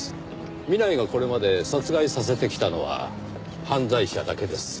南井がこれまで殺害させてきたのは犯罪者だけです。